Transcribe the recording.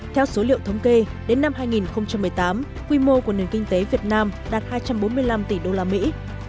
theo số liệu thống kê đến năm hai nghìn một mươi tám quy mô của nền kinh tế việt nam đạt hai trăm bốn mươi năm tỷ usd